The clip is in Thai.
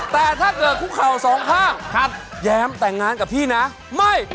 แต่ถ้าเกิดคุกเข่าสองข้างแย้มแต่งงานกับพี่นะไม่